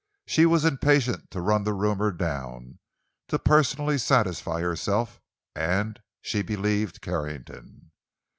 She was impatient to run the rumor down, to personally satisfy herself, and she believed Carrington.